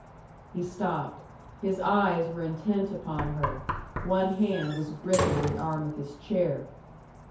He stopped. His eyes were intent upon her; one hand was gripping the arm of his chair.